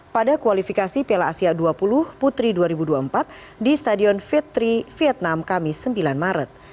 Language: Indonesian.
pada kualifikasi piala asia u dua puluh putri dua ribu dua puluh empat di stadion v tiga vietnam kamis sembilan maret